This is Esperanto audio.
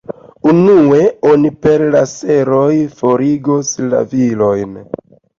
Unue oni per lasero forigos la vilojn.